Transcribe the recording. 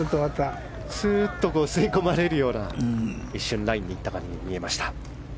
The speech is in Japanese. スーッと吸い込まれるような一瞬、ラインにいったかに見えました。